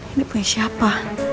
ini punya siapa